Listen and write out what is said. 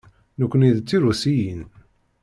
Nekkni d Tirusiyin.